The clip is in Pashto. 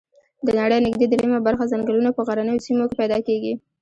د نړۍ نږدي دریمه برخه ځنګلونه په غرنیو سیمو کې پیدا کیږي